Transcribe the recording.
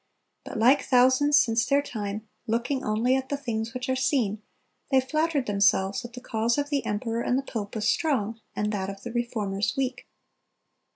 But, like thousands since their time, looking only "at the things which are seen," they flattered themselves that the cause of the emperor and the pope was strong, and that of the Reformers weak.